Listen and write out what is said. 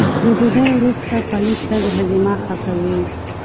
له ډوډۍ وروسته پلی تګ هاضمه ښه کوي.